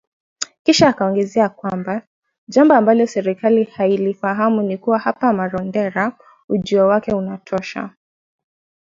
Kisha akaongeza kwamba "jambo ambalo serikali hailifahamu ni kuwa hapa Marondera, ujio wake unatosha”